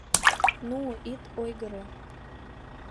Ну, ит ойгыро!